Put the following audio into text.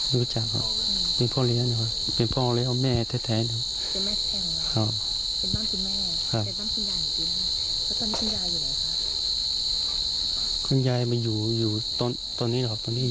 ตอนนี้อยู่ไหนบ้างครัวยัยไม่อยู่ในนี้เขาอยู่เก่านิดหน่อย